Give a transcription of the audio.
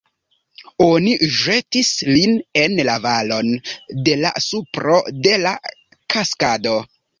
Oni ĵetis lin en la valon, de la supro de la kaskado.